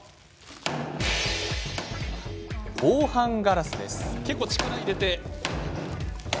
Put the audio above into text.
防犯ガラスです。